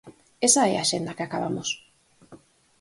Esa é a axenda que acabamos.